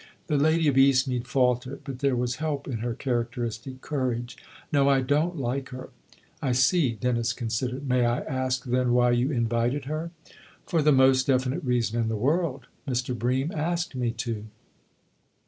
The lady of Eastmead faltered, but there was help in her characteristic courage. " No I don't like her." " I see," Dennis considered. " May I ask then why you invited her ?"" For the most definite reason in the world. Mr. Bream asked me to."